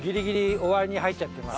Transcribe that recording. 終わりに入っちゃってます。